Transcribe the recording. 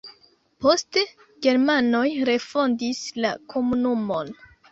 Poste germanoj refondis la komunumon.